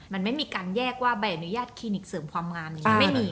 มันไม่มีการแยกว่าบริโนยาตคลินิกเสริมความงาม